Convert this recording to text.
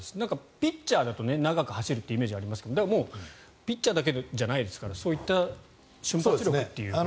ピッチャーだと長く走るイメージがありますけどもうピッチャーだけじゃないですからそういった瞬発力もですね。